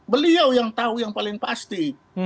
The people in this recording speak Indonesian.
beliau yang tahu yang paling pasti